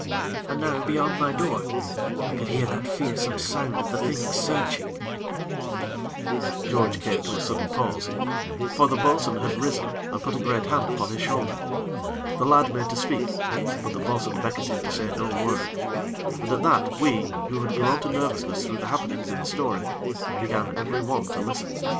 And now, beyond my door, I could hear that fearsome sound of the Thing searching " George came to a sudden pause; for the bo'sun had risen and put a great hand upon his shoulder. The lad made to speak; but the bo'sun beckoned to him to say no word, and at that we, who had grown to nervousness through the happenings in the story, began every one to listen.